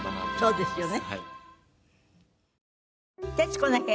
そうですよね。